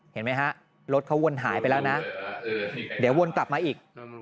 เห็นไหมฮะรถเขาวนหายไปแล้วนะเดี๋ยววนกลับมาอีก